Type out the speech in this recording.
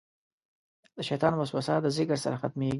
د شیطان وسوسه د ذکر سره ختمېږي.